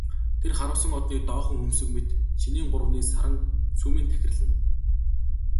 Тэр харвасан одны доохон хөмсөг мэт шинийн гуравны саран сүүмийн тахирлана.